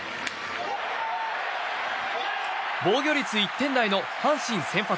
防御率１点台の阪神先発